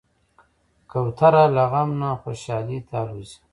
کوتره له غم نه خوشحالي ته الوزي.